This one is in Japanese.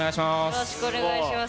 よろしくお願いします。